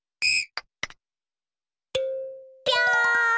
ぴょん！